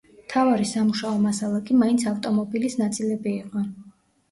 მთავარი სამუშაო მასალა კი მაინც ავტომობილის ნაწილები იყო.